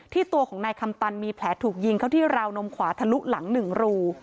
ตัวของนายคำตันมีแผลถูกยิงเข้าที่ราวนมขวาทะลุหลัง๑รู